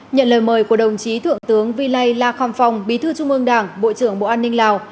nhận lời mời của đồng chí thượng tướng vi lây la kham phong bí thư trung ương đảng bộ trưởng bộ an ninh lào